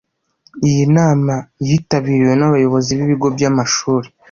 Iyi nama yari yitabiriwe n’abayobozi b’ibigo by’amashuri